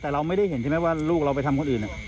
แต่เราไม่ได้เห็นใช่ไหมว่าลูกเราไปทำคนอื่น